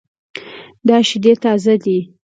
دا شیدې تازه دي